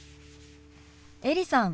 エリさん